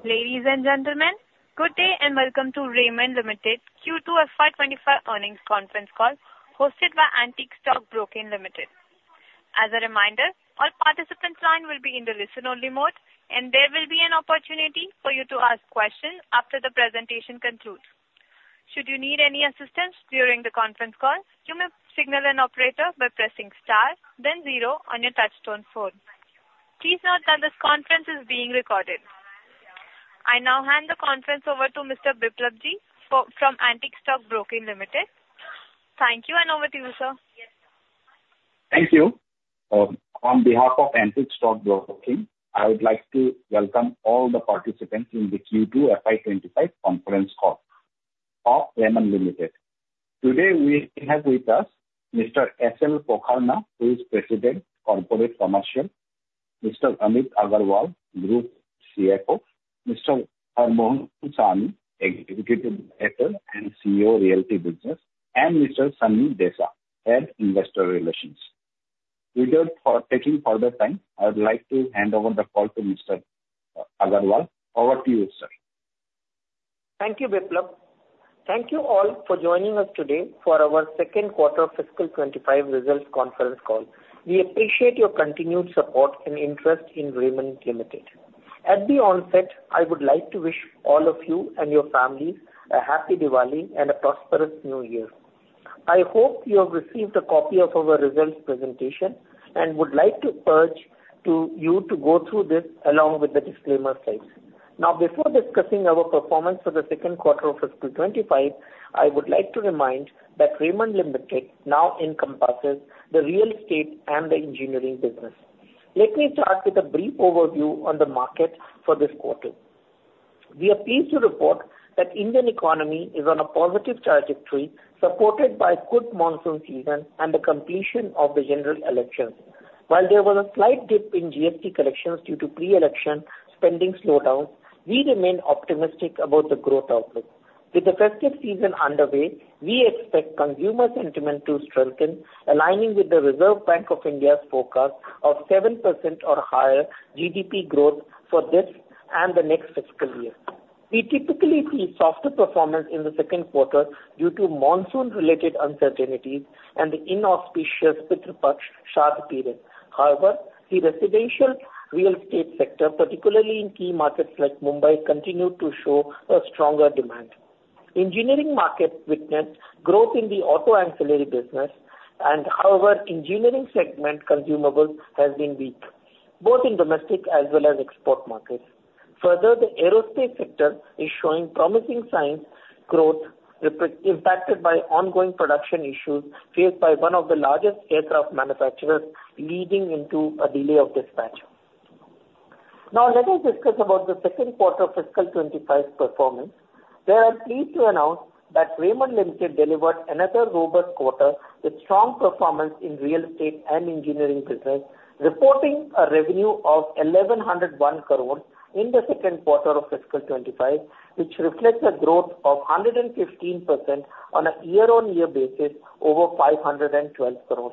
Ladies and gentlemen, good day and welcome to Raymond Limited Q2 FY 2024 earnings conference call, hosted by Antique Stock Broking Limited. As a reminder, all participants' lines will be in the listen-only mode, and there will be an opportunity for you to ask questions after the presentation concludes. Should you need any assistance during the conference call, you may signal an operator by pressing star, then zero on your touch-tone phone. Please note that this conference is being recorded. I now hand the conference over to Mr. Biplab from Antique Stock Broking Limited. Thank you, and over to you, sir. Thank you. On behalf of Antique Stock Broking, I would like to welcome all the participants in the Q2 FY 2025 conference call of Raymond Limited. Today, we have with us Mr. S. L. Pokharna, who is President, Corporate Commercial, Mr. Amit Agarwal, Group CFO, Mr. Harmohan Sahni, Executive Director and CEO, Realty Business, and Mr. Sunny Desa, Head of Investor Relations. Without taking further time, I would like to hand over the call to Mr. Agarwal. Over to you, sir. Thank you, Biplab. Thank you all for joining us today for our second quarter fiscal 2025 results conference call. We appreciate your continued support and interest in Raymond Limited. At the onset, I would like to wish all of you and your families a happy Diwali and a prosperous New Year. I hope you have received a copy of our results presentation and would like to urge you to go through this along with the disclaimer stated. Now, before discussing our performance for the second quarter of fiscal 2025, I would like to remind that Raymond Limited now encompasses the real estate and the engineering business. Let me start with a brief overview on the market for this quarter. We are pleased to report that the Indian economy is on a positive trajectory, supported by a good monsoon season and the completion of the general elections. While there was a slight dip in GST collections due to pre-election spending slowdowns, we remain optimistic about the growth outlook. With the festive season underway, we expect consumer sentiment to strengthen, aligning with the Reserve Bank of India's forecast of 7% or higher GDP growth for this and the next fiscal year. We typically see softer performance in the second quarter due to monsoon-related uncertainties and the inauspicious Pitru Paksha Shraddh period. However, the residential real estate sector, particularly in key markets like Mumbai, continued to show a stronger demand. Engineering markets witnessed growth in the auto-ancillary business, and however, the engineering segment consumables have been weak, both in domestic as well as export markets. Further, the aerospace sector is showing promising signs of growth, impacted by ongoing production issues faced by one of the largest aircraft manufacturers, leading to a delay of dispatch. Now, let us discuss the second quarter fiscal 2025 performance. We are pleased to announce that Raymond Limited delivered another robust quarter with strong performance in real estate and engineering business, reporting a revenue of 1,101 crore in the second quarter of fiscal 2025, which reflects a growth of 115% on a year-on-year basis over 512 crore.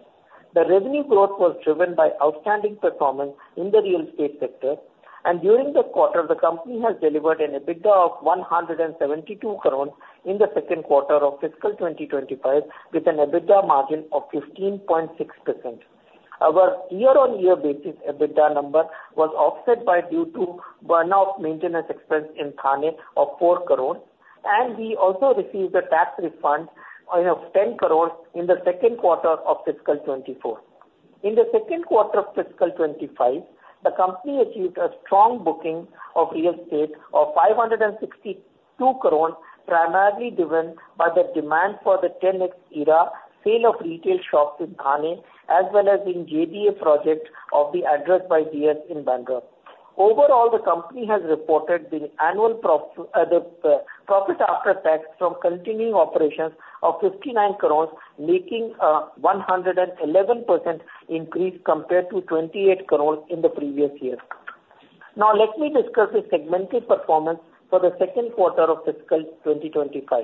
The revenue growth was driven by outstanding performance in the real estate sector, and during the quarter, the company has delivered an EBITDA of 172 crore in the second quarter of fiscal 2025, with an EBITDA margin of 15.6%. Our year-on-year basis EBITDA number was offset due to shutdown maintenance expense in Thane of 4 crore, and we also received a tax refund of 10 crore in the second quarter of fiscal 2024. In the second quarter of fiscal 2025, the company achieved a strong booking of real estate of 562 crore, primarily driven by the demand for the TenX Era sale of retail shops in Thane, as well as in JDA projects of The Address by GS in Bandra. Overall, the company has reported the annual profit after tax from continuing operations of 59 crore, making a 111% increase compared to 28 crore in the previous year. Now, let me discuss the segmented performance for the second quarter of fiscal 2025.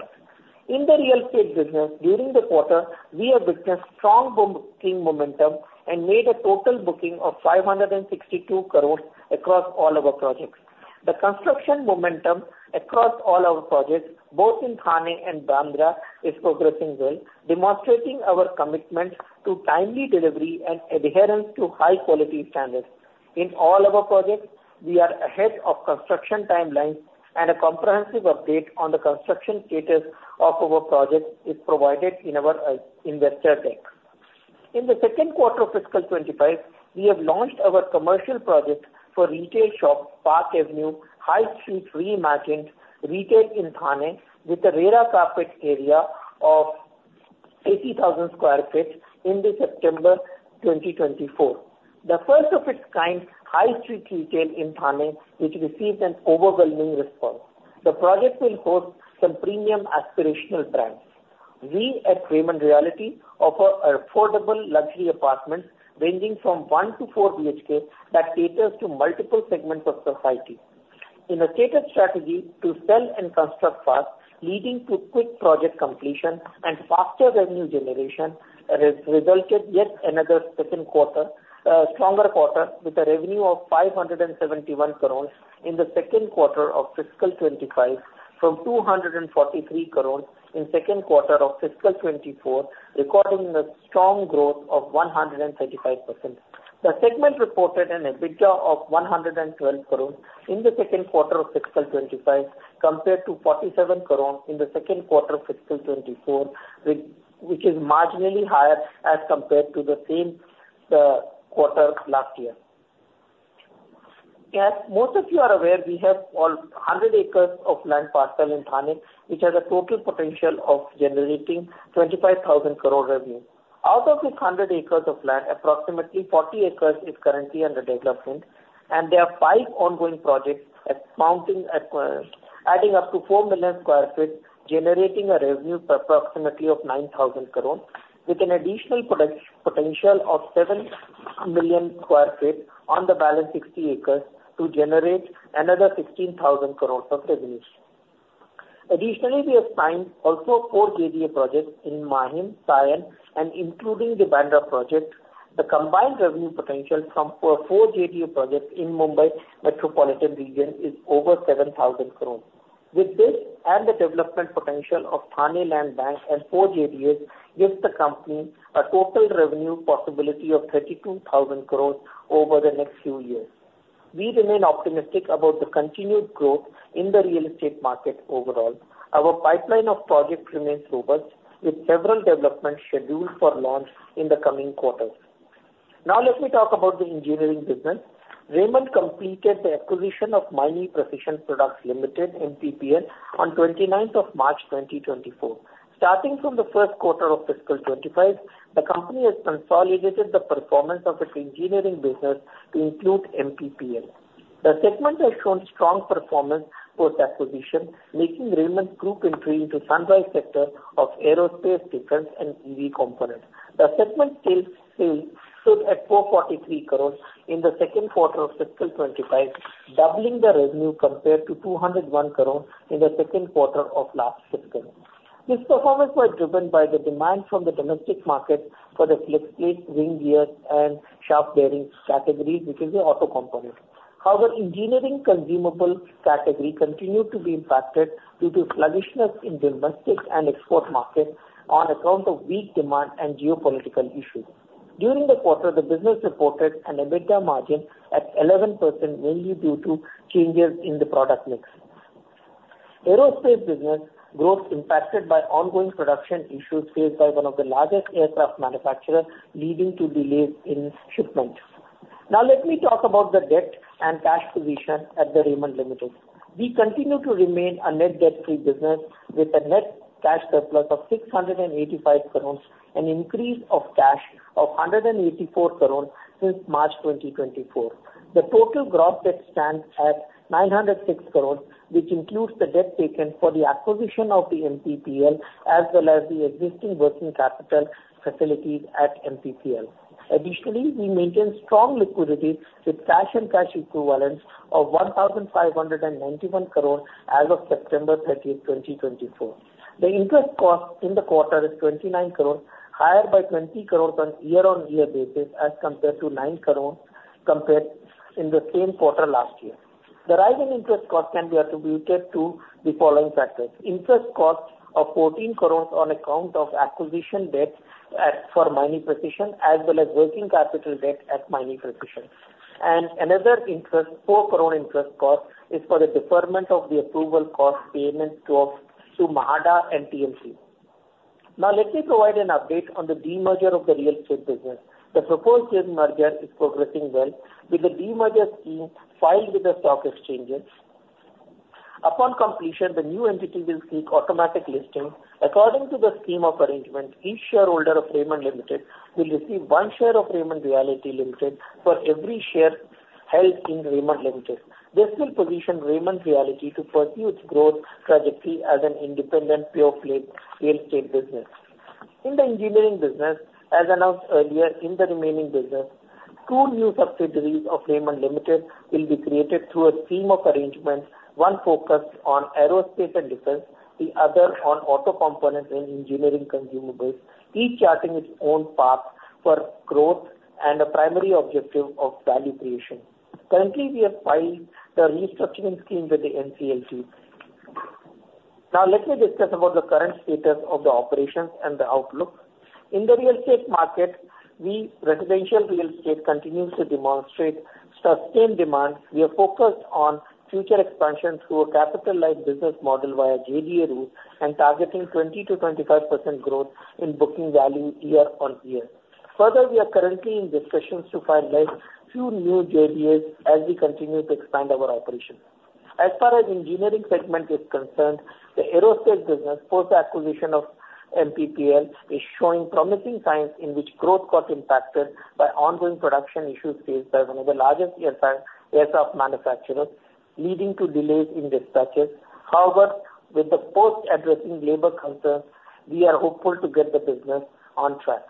In the real estate business, during the quarter, we have witnessed strong booking momentum and made a total booking of 562 crore across all our projects. The construction momentum across all our projects, both in Thane and Bandra, is progressing well, demonstrating our commitment to timely delivery and adherence to high-quality standards. In all our projects, we are ahead of construction timelines, and a comprehensive update on the construction status of our projects is provided in our investor deck. In the second quarter of fiscal 2025, we have launched our commercial project for retail shops, Park Avenue High Street Reimagined Retail in Thane, with a RERA carpet area of 80,000 sq ft in September 2024, the first of its kind, high street retail in Thane, which received an overwhelming response. The project will host some premium aspirational brands. We at Raymond Realty offer affordable luxury apartments ranging from 1 to 4 BHK that cater to multiple segments of society. In a calculated strategy to sell and construct fast, leading to quick project completion and faster revenue generation, resulted yet another stronger quarter with a revenue of 571 crore in the second quarter of fiscal 2025, from 243 crore in the second quarter of fiscal 2024, recording a strong growth of 135%. The segment reported an EBITDA of 112 crore in the second quarter of fiscal 2025, compared to 47 crore in the second quarter of fiscal 2024, which is marginally higher as compared to the same quarter last year. As most of you are aware, we have 100 acres of land parcel in Thane, which has a total potential of generating 25,000 crore revenue. Out of this 100 acres of land, approximately 40 acres is currently under development, and there are five ongoing projects adding up to 4 million sq ft, generating a revenue of approximately 9,000 crore, with an additional potential of 7 million sq ft on the balance of 60 acres to generate another 16,000 crore of revenue. Additionally, we have signed also four JDA projects in Mahim, Sion, and including the Bandra project, the combined revenue potential from four JDA projects in the Mumbai Metropolitan Region is over 7,000 crore. With this and the development potential of Thane Land Bank and four JDAs, gives the company a total revenue possibility of 32,000 crore over the next few years. We remain optimistic about the continued growth in the real estate market overall. Our pipeline of projects remains robust, with several developments scheduled for launch in the coming quarters. Now, let me talk about the engineering business. Raymond completed the acquisition of Maini Precision Products Limited, MPPL, on 29th March 2024. Starting from the first quarter of fiscal 2025, the company has consolidated the performance of its engineering business to include MPPL. The segment has shown strong performance post-acquisition, making Raymond's group entry into the sunrise sector of aerospace and defense and EV components. The segment sales stood at 443 crore in the second quarter of fiscal 2025, doubling the revenue compared to 201 crore in the second quarter of last fiscal. This performance was driven by the demand from the domestic market for the flex plate, ring gear, and shaft bearing categories, which is the auto component. However, engineering consumable category continued to be impacted due to sluggishness in domestic and export markets on account of weak demand and geopolitical issues. During the quarter, the business reported an EBITDA margin at 11%, mainly due to changes in the product mix. Aerospace business growth impacted by ongoing production issues faced by one of the largest aircraft manufacturers, leading to delays in shipment. Now, let me talk about the debt and cash position at Raymond Limited. We continue to remain a net debt-free business, with a net cash surplus of 685 crore and an increase of cash of 184 crore since March 2024. The total gross debt stands at 906 crore, which includes the debt taken for the acquisition of the MPPL, as well as the existing working capital facilities at MPPL. Additionally, we maintain strong liquidity with cash and cash equivalents of 1,591 crore as of September 30th, 2024. The interest cost in the quarter is 29 crore, higher by 20 crore on a year-on-year basis as compared to 9 crore compared to the same quarter last year. The rise in interest cost can be attributed to the following factors: interest cost of 14 crore on account of acquisition debt for Maini Precision, as well as working capital debt at Maini Precision, and another interest, INR 4 crore interest cost, is for the deferment of the approval cost payment to MHADA and TMC. Now, let me provide an update on the demerger of the real estate business. The proposed demerger is progressing well, with the demerger scheme filed with the stock exchanges. Upon completion, the new entity will seek automatic listing. According to the scheme of arrangement, each shareholder of Raymond Limited will receive one share of Raymond Realty Limited for every share held in Raymond Limited. This will position Raymond Realty to pursue its growth trajectory as an independent pure-play real estate business. In the engineering business, as announced earlier, in the remaining business, two new subsidiaries of Raymond Limited will be created through a scheme of arrangement, one focused on aerospace and defense, the other on auto components and engineering consumables, each charting its own path for growth and a primary objective of value creation. Currently, we have filed the restructuring scheme with the NCLT. Now, let me discuss the current status of the operations and the outlook. In the real estate market, residential real estate continues to demonstrate sustained demand. We are focused on future expansion through a capital-like business model via JDA route and targeting 20%-25% growth in booking value year-on-year. Further, we are currently in discussions to finalize a few new JDAs as we continue to expand our operations. As far as the engineering segment is concerned, the aerospace business, post-acquisition of MPPL, is showing promising signs in which growth got impacted by ongoing production issues faced by one of the largest aircraft manufacturers, leading to delays in dispatches. However, with the post addressing labor concerns, we are hopeful to get the business on track.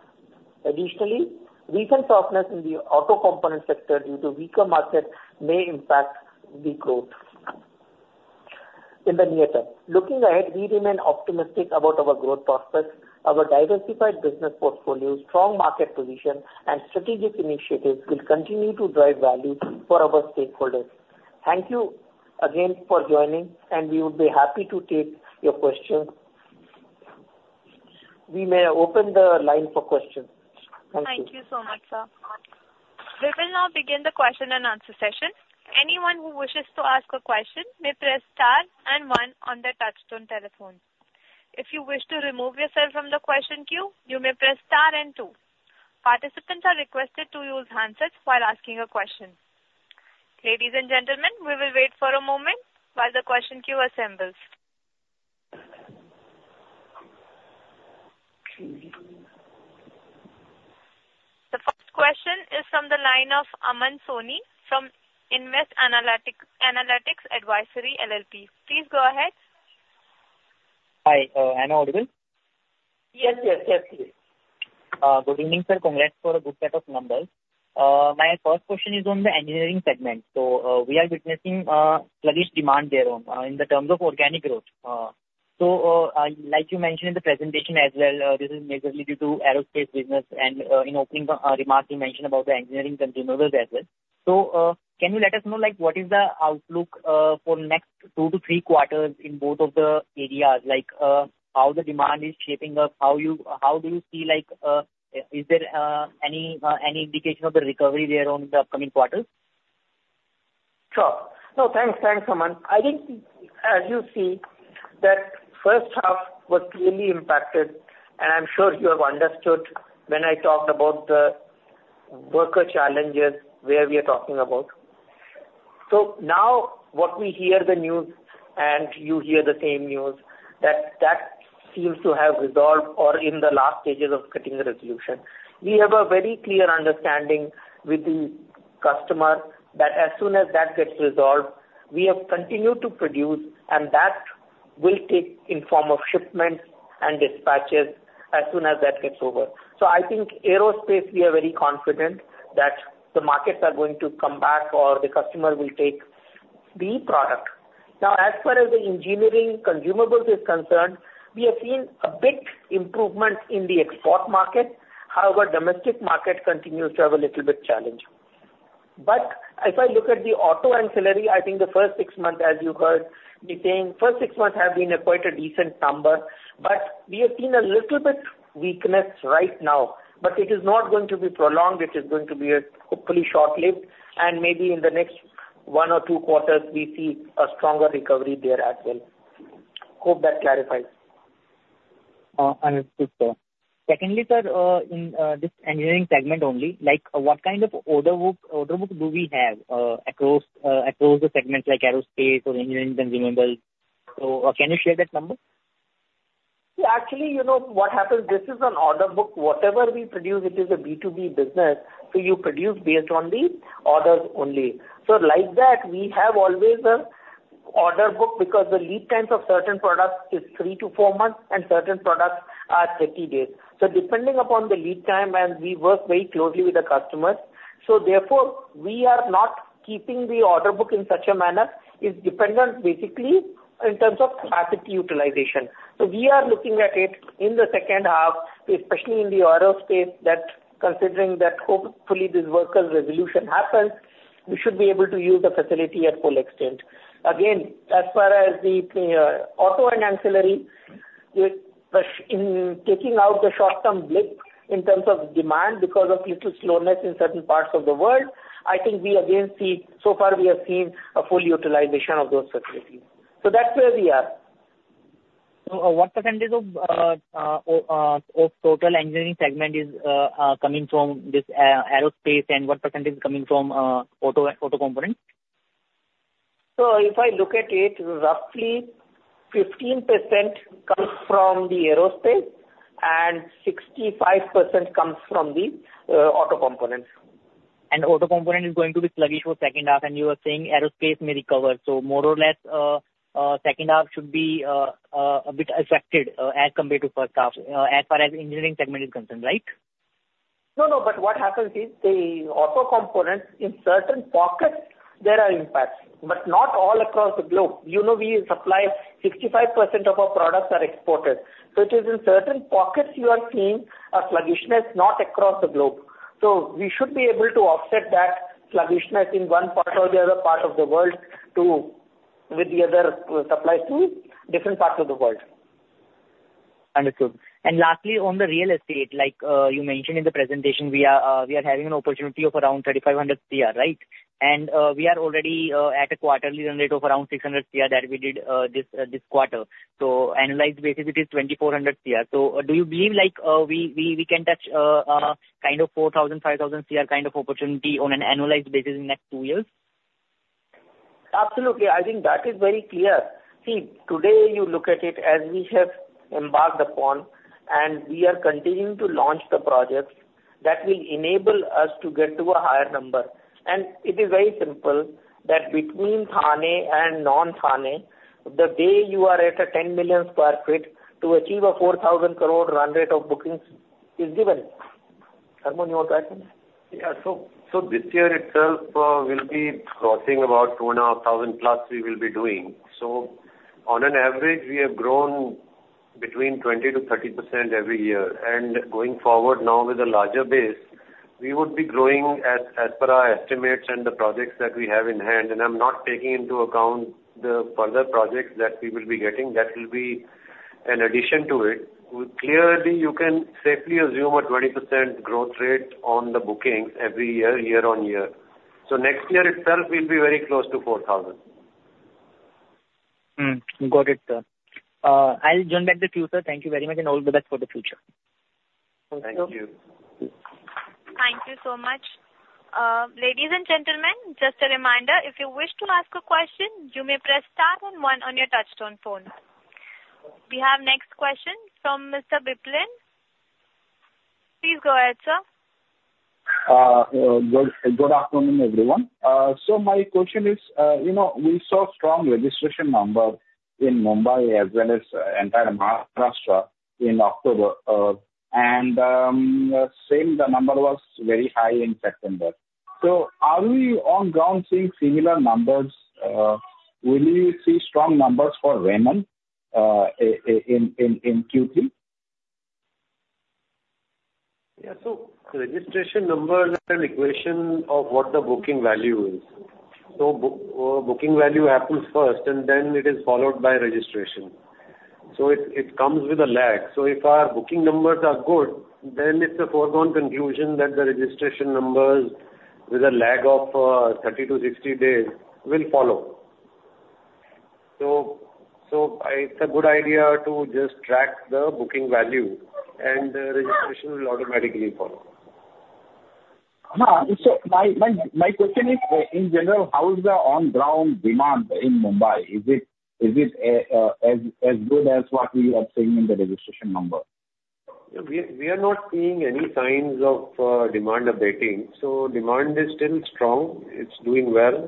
Additionally, recent softness in the auto component sector due to weaker market may impact the growth in the near term. Looking ahead, we remain optimistic about our growth prospects. Our diversified business portfolio, strong market position, and strategic initiatives will continue to drive value for our stakeholders. Thank you again for joining, and we would be happy to take your questions. We may open the line for questions. Thank you. Thank you so much, sir. We will now begin the question and answer session. Anyone who wishes to ask a question may press star and one on the touch-tone telephone. If you wish to remove yourself from the question queue, you may press star and two. Participants are requested to use handsets while asking a question. Ladies and gentlemen, we will wait for a moment while the question queue assembles. The first question is from the line of Aman Soni from Nvest Analytics Advisory LLP. Please go ahead. Hi, am I audible? Yes, yes, yes. Good evening, sir. Congrats for a good set of numbers. My first question is on the engineering segment. So we are witnessing a sluggish demand there in terms of organic growth. So, like you mentioned in the presentation as well, this is majorly due to aerospace business. And in opening remarks, you mentioned about the engineering consumables as well. So can you let us know what is the outlook for the next two to three quarters in both of the areas? How is the demand shaping up? How do you see? Is there any indication of the recovery there in the upcoming quarters? Sure. No, thanks, Aman. I think, as you see, that first half was clearly impacted. And I'm sure you have understood when I talked about the worker challenges where we are talking about. So now, what we hear, the news, and you hear the same news, that that seems to have resolved or in the last stages of getting the resolution. We have a very clear understanding with the customer that as soon as that gets resolved, we have continued to produce, and that will take the form of shipments and dispatches as soon as that gets over. So I think aerospace, we are very confident that the markets are going to come back or the customer will take the product. Now, as far as the engineering consumables are concerned, we have seen a big improvement in the export market. However, the domestic market continues to have a little bit of a challenge. But if I look at the auto ancillary, I think the first six months, as you heard me saying, the first six months have been quite a decent number. But we have seen a little bit of a weakness right now, but it is not going to be prolonged. It is going to be hopefully short-lived. And maybe in the next one or two quarters, we see a stronger recovery there as well. Hope that clarifies. Understood, sir. Secondly, sir, in this engineering segment only, what kind of order book do we have across the segments like aerospace or engineering consumables? So can you share that number? Yeah, actually, you know what happens? This is an order book. Whatever we produce, it is a B2B business. So you produce based on the orders only. So like that, we have always an order book because the lead times of certain products are three to four months, and certain products are 30 days. So depending upon the lead time, we work very closely with the customers. So therefore, we are not keeping the order book in such a manner. It's dependent, basically, in terms of capacity utilization. So we are looking at it in the second half, especially in the aerospace, considering that hopefully this worker resolution happens, we should be able to use the facility at full extent. Again, as far as the auto and ancillary, in taking out the short-term blip in terms of demand because of little slowness in certain parts of the world, I think we again see, so far, we have seen a full utilization of those facilities. So that's where we are. So what percentage of total engineering segment is coming from this aerospace, and what percentage is coming from auto components? So if I look at it, roughly 15% comes from the aerospace, and 65% comes from the auto components. And auto component is going to be sluggish for the second half, and you were saying aerospace may recover. So more or less, the second half should be a bit affected as compared to the first half, as far as the engineering segment is concerned, right? No, no, but what happens is the auto components, in certain pockets, there are impacts, but not all across the globe. We supply 65% of our products that are exported. So it is in certain pockets you are seeing a sluggishness, not across the globe. So we should be able to offset that sluggishness in one part or the other part of the world with the other suppliers to different parts of the world. Understood. And lastly, on the real estate, like you mentioned in the presentation, we are having an opportunity of around 3,500 crore, right? And we are already at a quarterly run rate of around 600 crore that we did this quarter. So annualized basis, it is 2,400 crore. So do you believe we can touch kind of 4,000 crore, 5,000 crore kind of opportunity on an annualized basis in the next two years? Absolutely. I think that is very clear. See, today, you look at it as we have embarked upon, and we are continuing to launch the projects that will enable us to get to a higher number, and it is very simple that between Thane and non-Thane, the day you are at a 10 million sq ft to achieve a 4,000 crore run rate of bookings is given. Harmohan, you want to add something? Yeah, so this year itself will be crossing about 2,500+ we will be doing, so on an average, we have grown between 20% to 30% every year, and going forward now with a larger base, we would be growing as per our estimates and the projects that we have in hand, and I'm not taking into account the further projects that we will be getting. That will be an addition to it. Clearly, you can safely assume a 20% growth rate on the bookings every year, year-on-year. So next year itself, we'll be very close to 4,000. Got it, sir. I'll join back the queue, sir. Thank you very much, and all the best for the future. Thank you. Thank you so much. Ladies and gentlemen, just a reminder, if you wish to ask a question, you may press star and one on your touch-tone phone. We have the next question from Mr. Biplab. Please go ahead, sir. Good afternoon, everyone. So my question is, we saw a strong registration number in Mumbai as well as entire Maharashtra in October. And same, the number was very high in September. So are we on ground seeing similar numbers? Will you see strong numbers for Raymond in Q3? Yeah, so registration numbers are an equation of what the booking value is. So booking value happens first, and then it is followed by registration. So it comes with a lag. So if our booking numbers are good, then it's a foregone conclusion that the registration numbers with a lag of 30-60 days will follow. So it's a good idea to just track the booking value, and the registration will automatically follow. My question is, in general, how is the on-ground demand in Mumbai? Is it as good as what we are seeing in the registration number? We are not seeing any signs of demand abating. So demand is still strong. It's doing well.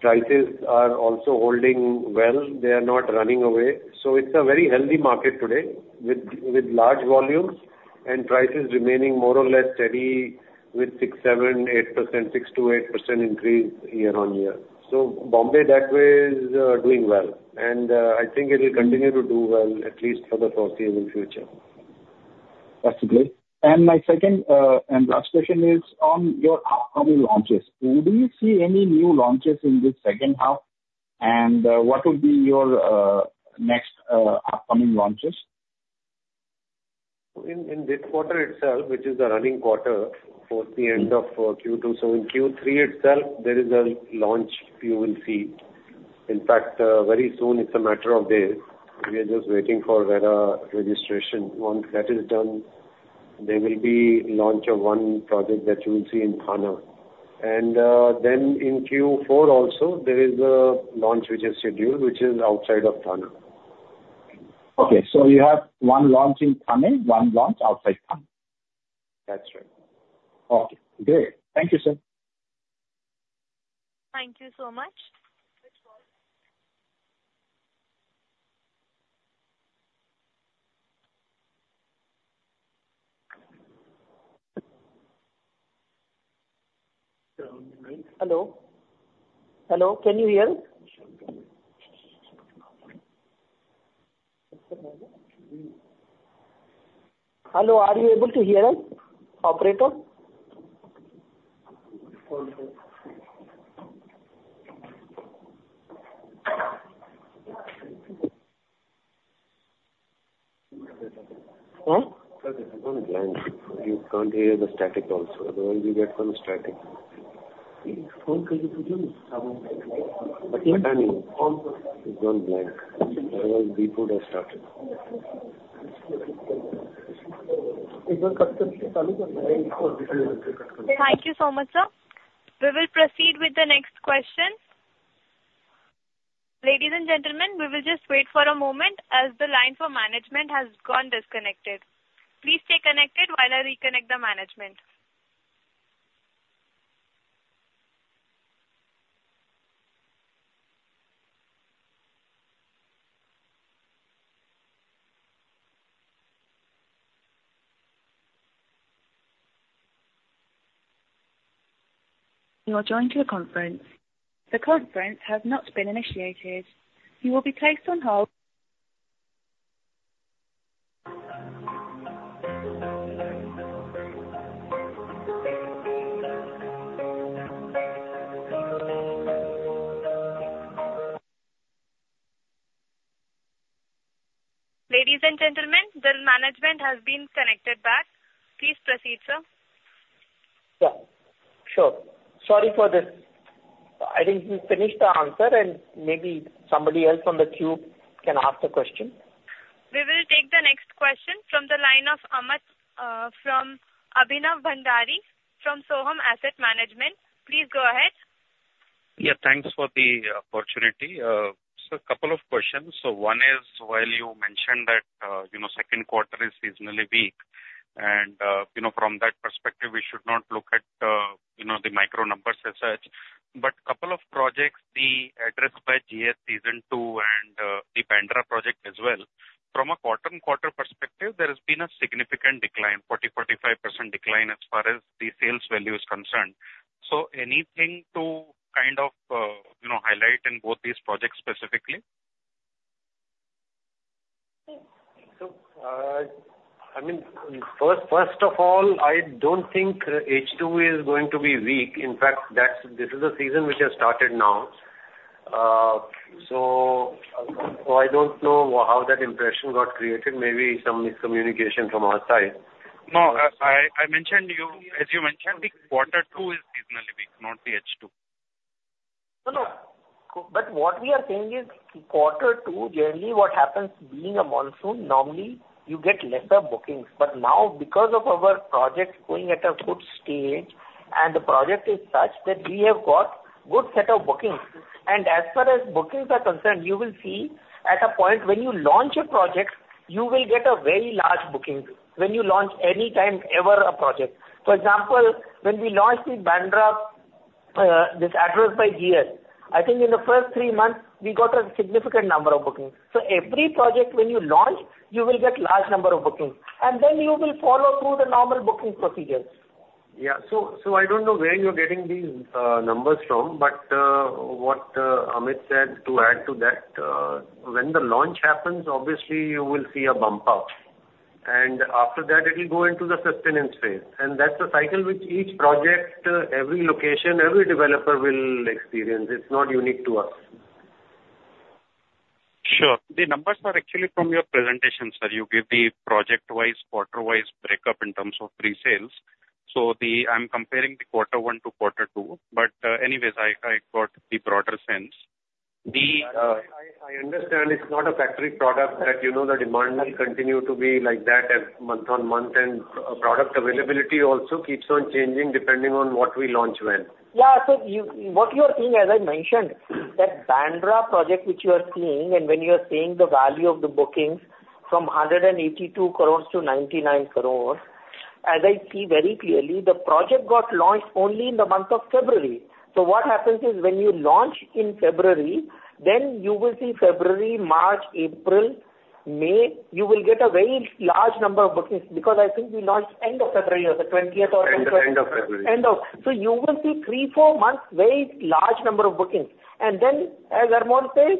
Prices are also holding well. They are not running away. So it's a very healthy market today with large volumes and prices remaining more or less steady with 6%-7%, 8%, 6%-8% increase year-on-year. So Bombay that way is doing well. And I think it will continue to do well, at least for the foreseeable future. Possibly. And my second and last question is on your upcoming launches. Do you see any new launches in this second half? And what will be your next upcoming launches? In this quarter itself, which is the running quarter towards the end of Q2. So in Q3 itself, there is a launch you will see. In fact, very soon, it's a matter of days. We are just waiting for registration. Once that is done, there will be launch of one project that you will see in Thane. And then in Q4 also, there is a launch which is scheduled, which is outside of Thane. Okay, so you have one launch in Thane, one launch outside Thane. That's right. Okay. Great. Thank you, sir. Thank you so much. Hello? Hello? Can you hear? Hello, are you able to hear us, operator? Huh? It's gone blank. You can't hear the static also. Where did you get some static? It's gone blank. Otherwise, we could have started. Thank you so much, sir. We will proceed with the next question. Ladies and gentlemen, we will just wait for a moment as the line for management has gone disconnected. Please stay connected while I reconnect the management. You are joining a conference. The conference has not been initiated. You will be placed on hold. Ladies and gentlemen, the management has been connected back. Please proceed, sir. Yeah. Sure. Sorry for the, I think you finished the answer, and maybe somebody else on the queue can ask a question. We will take the next question from the line of Abhinav Bhandari from Sohum Asset Managers. Please go ahead. Yeah, thanks for the opportunity. Sir, a couple of questions. So one is, while you mentioned that second quarter is seasonally weak, and from that perspective, we should not look at the micro numbers as such. But a couple of projects, Address by GS Season 2 and the Bandra project as well. From a quarter-on-quarter perspective, there has been a significant decline, 40%-45% decline as far as the sales value is concerned. So anything to kind of highlight in both these projects specifically? I mean, first of all, I don't think H2 is going to be weak. In fact, this is a season which has started now. So I don't know how that impression got created. Maybe some miscommunication from our side. No, as you mentioned, the quarter two is seasonally weak, not the H2. No, no. But what we are saying is, quarter two, generally, what happens being a monsoon, normally you get lesser bookings. But now, because of our projects going at a good stage, and the project is such that we have got a good set of bookings. And as far as bookings are concerned, you will see at a point when you launch a project, you will get a very large booking when you launch anytime ever a project. For example, when we launched this Address by GS, I think in the first three months, we got a significant number of bookings. So every project when you launch, you will get a large number of bookings. And then you will follow through the normal booking procedures. Yeah, so I don't know where you're getting these numbers from, but what Amit said to add to that, when the launch happens, obviously, you will see a bump up. And after that, it will go into the sustenance phase. And that's the cycle which each project, every location, every developer will experience. It's not unique to us. Sure. The numbers are actually from your presentation, sir. You gave the project-wise, quarter-wise breakup in terms of resales. So I'm comparing the quarter one to quarter two. But anyways, I got the broader sense. I understand it's not a factory product that the demand will continue to be like that month on month, and product availability also keeps on changing depending on what we launch when. Yeah, so what you are seeing, as I mentioned, that Bandra project which you are seeing, and when you are seeing the value of the bookings from 182 crore to 99 crore, as I see very clearly, the project got launched only in the month of February. So what happens is when you launch in February, then you will see February, March, April, May, you will get a very large number of bookings because I think we launched end of February, the 20th or 21st. End of February. So you will see three, four months, very large number of bookings. And then, as Harmohan said,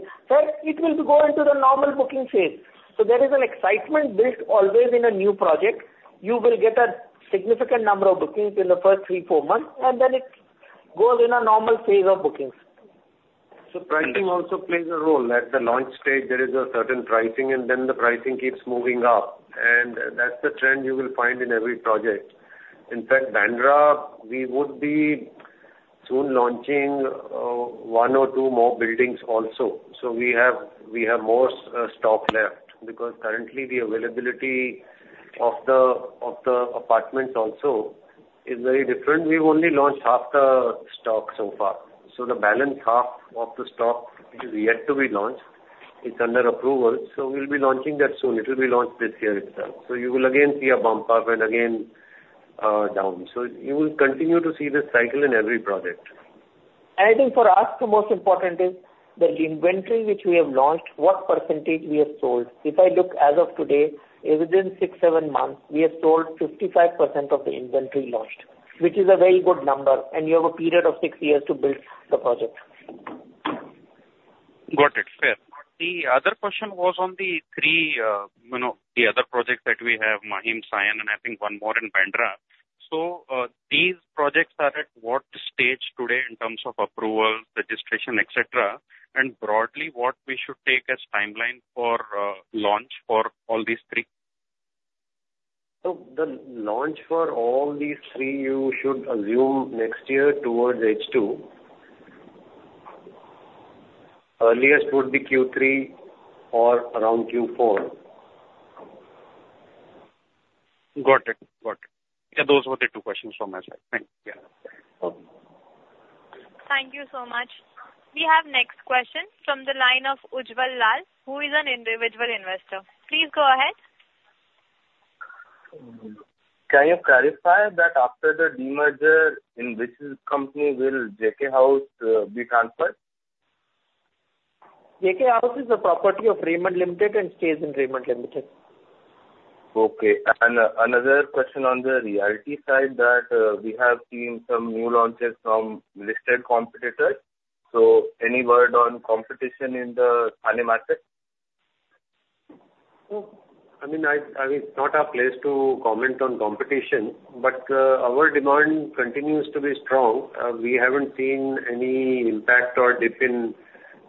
it will go into the normal booking phase. So there is an excitement built always in a new project. You will get a significant number of bookings in the first three, four months, and then it goes in a normal phase of bookings. So pricing also plays a role. At the launch stage, there is a certain pricing, and then the pricing keeps moving up. And that's the trend you will find in every project. In fact, Bandra, we would be soon launching one or two more buildings also. So we have more stock left because currently, the availability of the apartments also is very different. We've only launched half the stock so far. So the balance half of the stock is yet to be launched. It's under approval. So we'll be launching that soon. It will be launched this year itself. So you will again see a bump up and again down. So you will continue to see this cycle in every project. I think for us, the most important is the inventory which we have launched, what percentage we have sold. If I look as of today, within six, seven months, we have sold 55% of the inventory launched, which is a very good number, and you have a period of six years to build the project. Got it. Fair. The other question was on the three other projects that we have, Mahim, Sion, and I think one more in Bandra. So these projects are at what stage today in terms of approvals, registration, etc.? And broadly, what we should take as timeline for launch for all these three? So the launch for all these three, you should assume next year towards H2. Earliest would be Q3 or around Q4. Got it. Got it. Yeah, those were the two questions from my side. Thank you. Thank you so much. We have the next question from the line of Ujjwal Lal, who is an individual investor. Please go ahead. Can you clarify that after the demerger, in which company will JK House be transferred? JK House is a property of Raymond Limited and stays in Raymond Limited. Okay. And another question on the realty side that we have seen some new launches from listed competitors. So any word on competition in the Thane market? I mean, it's not our place to comment on competition, but our demand continues to be strong. We haven't seen any impact or dip in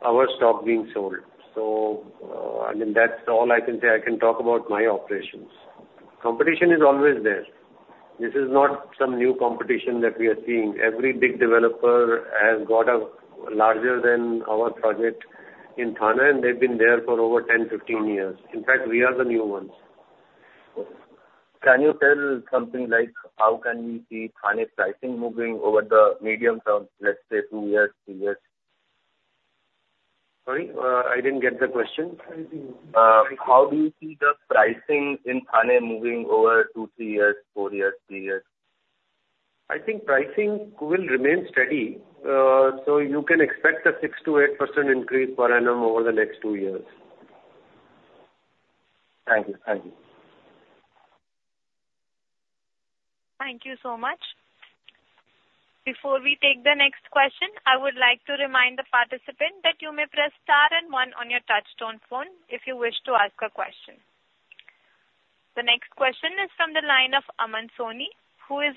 our stock being sold. So I mean, that's all I can say. I can talk about my operations. Competition is always there. This is not some new competition that we are seeing. Every big developer has got a larger than our project in Thane, and they've been there for over 10-15 years. In fact, we are the new ones. Can you tell something like how can we see Thane pricing moving over the medium term, let's say two years, three years? Sorry, I didn't get the question. How do you see the pricing in Thane moving over two, three years, four years, three years? I think pricing will remain steady. So you can expect a 6%-8% increase per annum over the next two years. Thank you. Thank you. Thank you so much. Before we take the next question, I would like to remind the participant that you may press star and one on your touch-tone phone if you wish to ask a question. The next question is from the line of Aman Soni, who is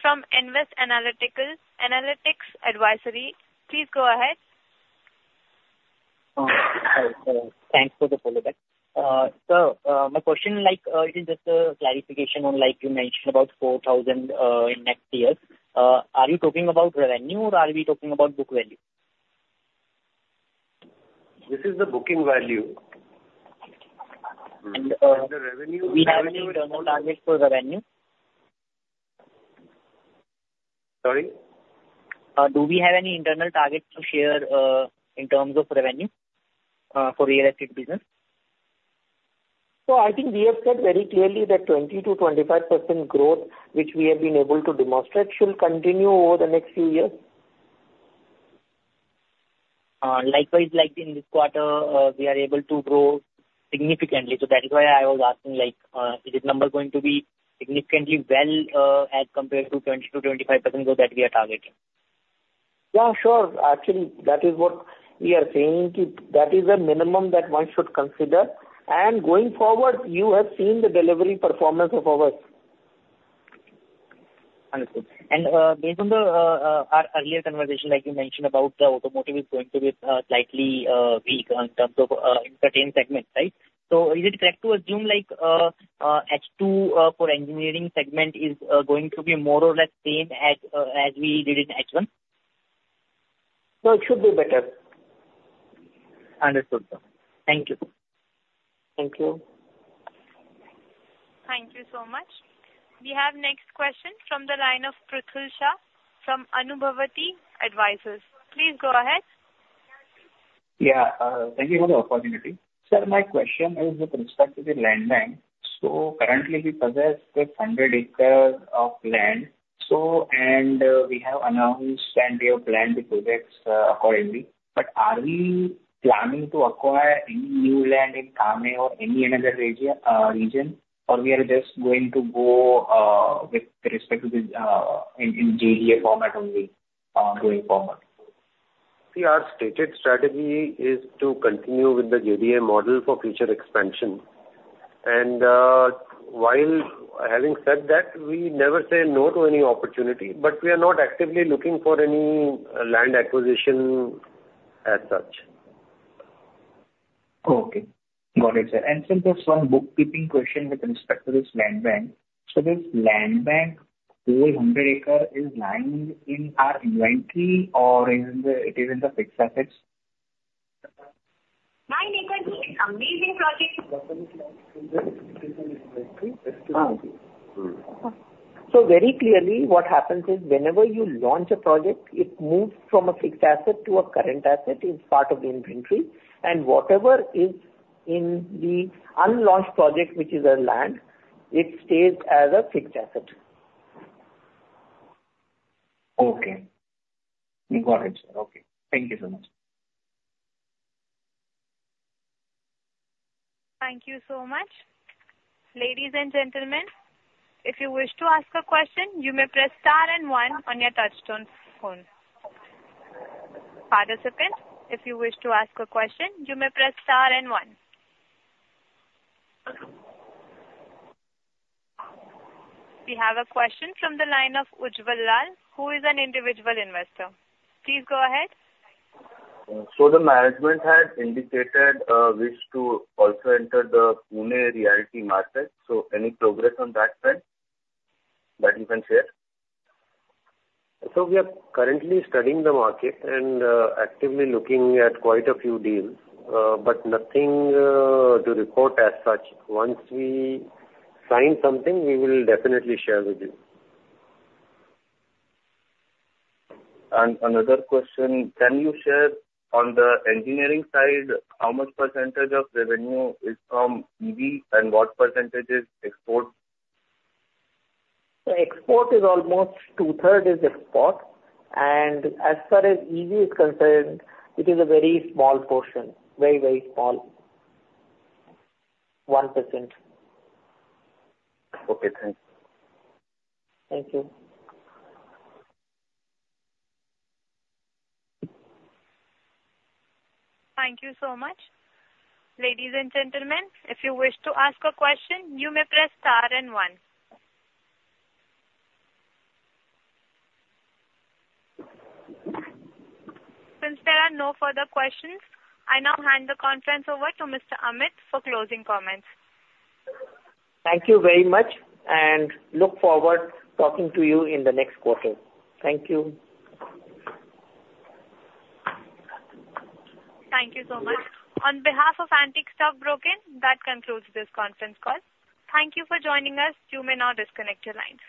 from Nvest Analytics Advisory LLP. Please go ahead. Thanks for the call, Amit. Sir, my question is just a clarification on you mentioned about 4,000 in next year. Are you talking about revenue or are we talking about book value? This is the booking value. And do we have any internal targets for revenue? Sorry? Do we have any internal targets to share in terms of revenue for real estate business? So I think we have said very clearly that 20%-25% growth, which we have been able to demonstrate, should continue over the next few years. Likewise, in this quarter, we are able to grow significantly. So that is why I was asking, is this number going to be significantly well as compared to 20%-25% growth that we are targeting? Yeah, sure. Actually, that is what we are saying. That is the minimum that one should consider. And going forward, you have seen the delivery performance of ours. Understood. And based on our earlier conversation, like you mentioned about the automotive is going to be slightly weak in terms of engineering segment, right? So is it correct to assume H2 for engineering segment is going to be more or less same as we did in H1? No, it should be better. Understood. Thank you. Thank you. Thank you so much. We have the next question from the line of Pruthul Shah from Anubhuti Advisors. Please go ahead. Yeah. Thank you for the opportunity. Sir, my question is with respect to the land bank. So currently, we possess 100 acres of land. And we have announced and we have planned the projects accordingly. But are we planning to acquire any new land in Thane or any another region, or we are just going to go with respect to the JDA format only going forward? The stated strategy is to continue with the JDA model for future expansion. And having said that, we never say no to any opportunity, but we are not actively looking for any land acquisition as such. Okay. Got it, sir. And sir, just one bookkeeping question with respect to this land bank. So this land bank, whole 100 acres, is lying in our inventory or it is in the fixed assets? So very clearly, what happens is whenever you launch a project, it moves from a fixed asset to a current asset in part of the inventory. And whatever is in the unlaunched project, which is our land, it stays as a fixed asset. Okay. Got it, sir. Okay. Thank you so much. Thank you so much. Ladies and gentlemen, if you wish to ask a question, you may press star and one on your touch-tone phone. Participants, if you wish to ask a question, you may press star and one. We have a question from the line of Ujjwal Lal, who is an individual investor. Please go ahead. So the management had indicated a wish to also enter the Pune realty market. So any progress on that front that you can share? So we are currently studying the market and actively looking at quite a few deals, but nothing to report as such. Once we find something, we will definitely share with you. And another question, can you share on the engineering side, how much percentage of revenue is from EV and what percentage is export? So export is almost two-thirds export. And as far as EV is concerned, it is a very small portion, very, very small, 1%. Okay. Thanks. Thank you. Thank you so much. Ladies and gentlemen, if you wish to ask a question, you may press star and one. Since there are no further questions, I now hand the conference over to Mr. Amit for closing comments. Thank you very much. And look forward to talking to you in the next quarter. Thank you. Thank you so much. On behalf of Antique Stock Broking, that concludes this conference call. Thank you for joining us. You may now disconnect your lines.